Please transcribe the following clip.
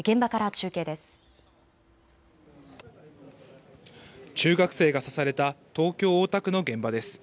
中学生が刺された東京大田区の現場です。